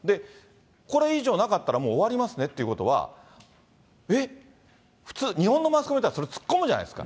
これ以上なかったらもう終わりますねっていうことは、えっ、普通、日本のマスコミだったら、それ突っ込むじゃないですか。